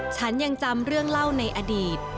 ฉันยังจำเรื่องเล่าในอดีต